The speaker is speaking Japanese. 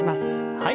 はい。